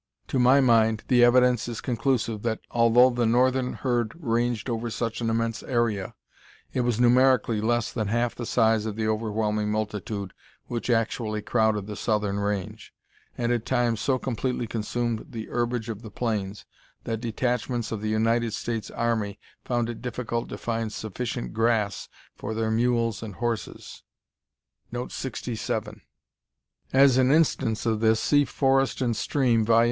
To my mind, the evidence is conclusive that, although the northern herd ranged over such an immense area, it was numerically less than half the size of the overwhelming multitude which actually crowded the southern range, and at times so completely consumed the herbage of the plains that detachments of the United States Army found it difficult to find sufficient grass for their mules and horses. [Note 67: As an instance of this, see Forest and Stream, vol.